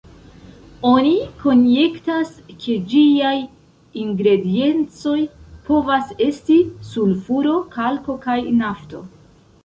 Oni konjektas, ke ĝiaj ingrediencoj povas esti sulfuro, kalko kaj nafto.